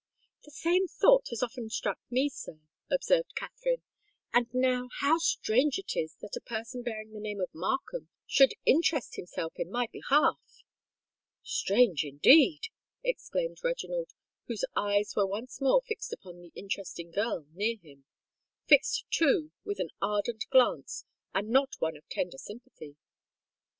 "The same thought has often struck me, sir," observed Katherine. "And now how strange it is that a person bearing the name of Markham should interest himself in my behalf!" "Strange indeed!" exclaimed Reginald, whose eyes were once more fixed upon the interesting girl near him,—fixed, too, with an ardent glance, and not one of tender sympathy.